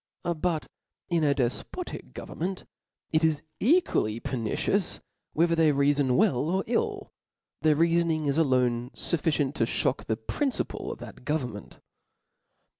j^f^7 But In a defpotic government, it is equally per "^1!^ nicious whether they rcafon well or ill ; their rca cbap.^V* fonin^ is iloae fufHcient to ftiock the principle of that government.